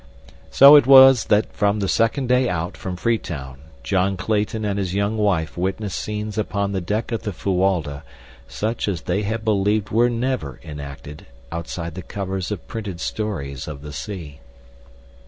So it was that from the second day out from Freetown John Clayton and his young wife witnessed scenes upon the deck of the Fuwalda such as they had believed were never enacted outside the covers of printed stories of the sea.